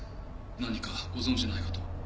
何かご存じないかと。